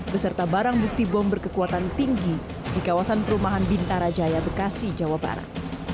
beserta barang bukti bom berkekuatan tinggi di kawasan perumahan bintara jaya bekasi jawa barat